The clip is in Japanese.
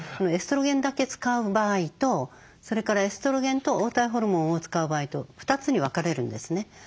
エストロゲンだけ使う場合とそれからエストロゲンと黄体ホルモンを使う場合と２つに分かれるんですね。